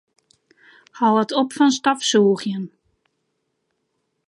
Hâld op fan stofsûgjen.